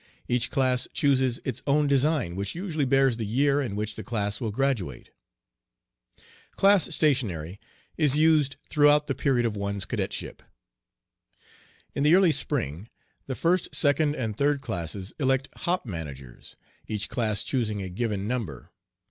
Each class chooses its own design, which usually bears the year in which the class will graduate. Class stationary is used throughout the period of one's cadetship. In the early spring, the first, second, and third classes elect hop managers, each class choosing a given number.